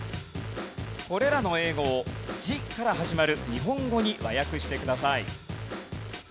これらの英語を「ジ」から始まる日本語に和訳してください。